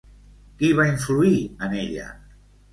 Qui va influir en ella?